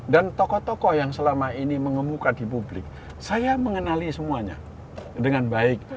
dan tokoh tokoh yang selama ini mengemuka di publik saya mengenali semuanya dengan baik